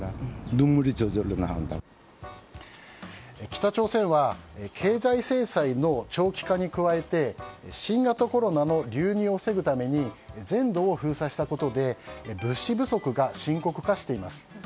北朝鮮は経済制裁の長期化に加えて新型コロナの流入を防ぐために全土を封鎖したことで物資不足が深刻化しています。